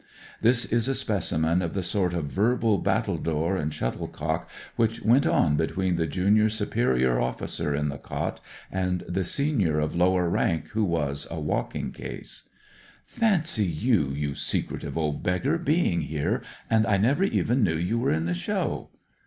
This is a specimen of the sort of verbal battledore and shuttlecock which went on between the junior superior officer in the cot and the senior of lower rank who was a " walking case." I BROTHERS OF THE PARSONAGE 125 " Fancy you, you secretive old beggar, being here, and I never even knew you were in the show."